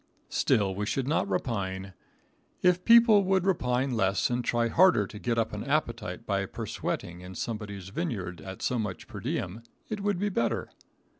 Still we should not repine. If people would repine less and try harder to get up an appetite by persweating in someone's vineyard at so much per diem, it would be better.